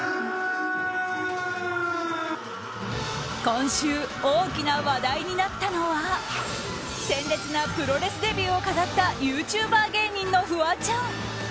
今週大きな話題になったのは鮮烈なプロレスデビューを飾ったユーチューバー芸人のフワちゃん。